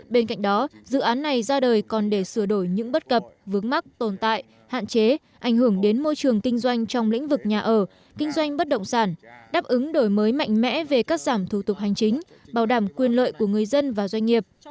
bên cạnh đó dự án này ra đời còn để sửa đổi những bất cập vướng mắc tồn tại hạn chế ảnh hưởng đến môi trường kinh doanh trong lĩnh vực nhà ở kinh doanh bất động sản đáp ứng đổi mới mạnh mẽ về cắt giảm thủ tục hành chính bảo đảm quyền lợi của người dân và doanh nghiệp